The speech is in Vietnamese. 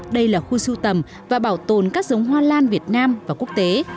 đây là khu sưu tầm và bảo tồn các giống hoa lan việt nam và quốc tế